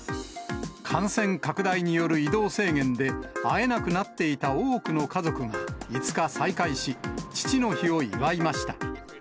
感染拡大による移動制限で、会えなくなっていた多くの家族が５日、再会し、父の日を祝いました。